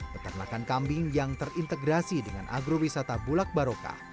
peternakan kambing yang terintegrasi dengan agrowisata bulak barokah